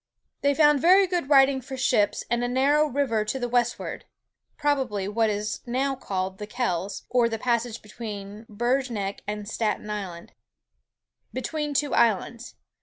"They found very good riding for ships, and a narrow river to the westward," (probably what is now called the Kells, or the passage between Bergen Neck and Staten Island,) "between two islands.